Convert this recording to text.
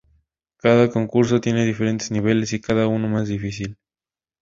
Cada concurso tiene diferentes niveles y cada uno más difícil.